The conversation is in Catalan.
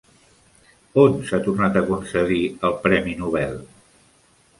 On s'ha tornat a concedir el premi Nobel?